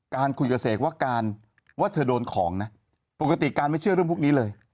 การคุยกับเสกว่าการว่าเธอโดนของนะปกติการไม่เชื่อเรื่องพวกนี้เลย